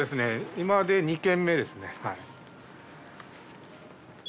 今で２軒目ですね。